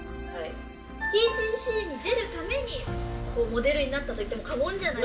ＴＧＣに出るためにモデルになったといっても過言じゃない。